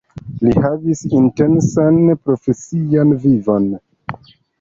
Li havis intensan profesian vivon.